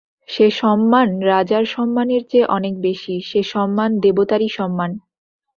সে সম্মান রাজার সম্মানের চেয়ে অনেক বেশি– সে সম্মান দেবতারই সম্মান।